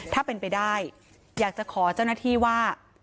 ถ้าเป็นไปได้อยากจะขอเจ้าหน้าที่ว่า